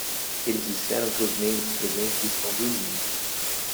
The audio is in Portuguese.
Eles disseram que os membros presentes estão dormindo.